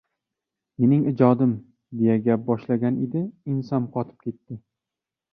“Mening ijodim”, deya gap boshlagan edi, ensam qotib ketdi.